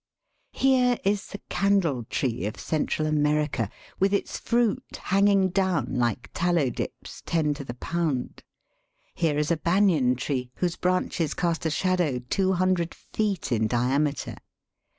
Here is the candle tree of Central America, with its fruit hanging down like tallow dips ten to the pound. Here is a banyan tree, whose branches cast a shadow two hundred feet in diameter.